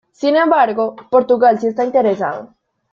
Sin embargo, Portugal si está interesado.